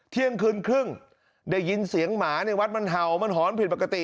เที่ยงคืนครึ่งได้ยินเสียงหมาในวัดมันเห่ามันหอนผิดปกติ